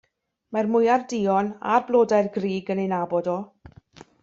Mae'r mwyar duon a blodau'r grug yn ei nabod o.